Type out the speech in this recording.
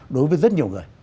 đối với rất nhiều người